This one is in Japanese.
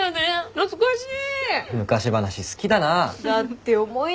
懐かしい。